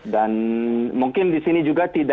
dan mungkin di sini juga tidak ada